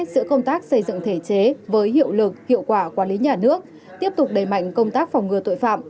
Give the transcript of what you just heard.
giữa công tác xây dựng thể chế với hiệu lực hiệu quả quản lý nhà nước tiếp tục đẩy mạnh công tác phòng ngừa tội phạm